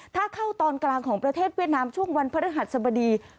ถ้าเข้าตอนกลางของประเทศเวียดนามช่วงวันพฤหัสสบดี